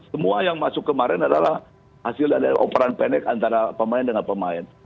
semua yang masuk kemarin adalah hasil dari operan pendek antara pemain dengan pemain